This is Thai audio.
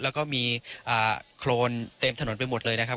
แล้วก็มีโครนเต็มถนนไปหมดเลยนะครับ